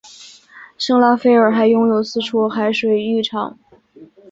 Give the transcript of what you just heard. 圣拉斐尔还拥有四处海水浴场。